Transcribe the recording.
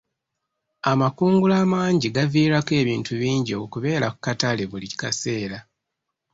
Amakungula amangi gaviirako ebintu bingi okubeera ku katale buli kaseera.